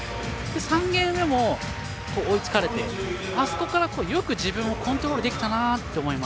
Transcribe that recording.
３ゲーム目も追いつかれてあそこから、よく自分をコントロールできたなと思います。